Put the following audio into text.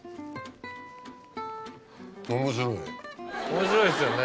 面白いっすよね。